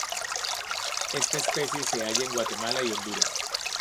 Esta especie se halla en Guatemala y Honduras.